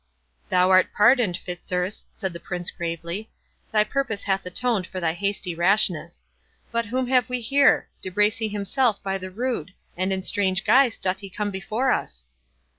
"Thou art pardoned, Fitzurse," said the prince, gravely; "thy purpose hath atoned for thy hasty rashness.—But whom have we here?—De Bracy himself, by the rood!—and in strange guise doth he come before us."